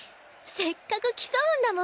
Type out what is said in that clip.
せっかく競うんだもん。